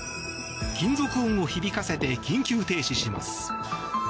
金属音を響かせて緊急停止します。